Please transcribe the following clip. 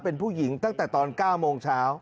เป็นผู้หญิงตั้งแต่ตอน๙โมงเช้า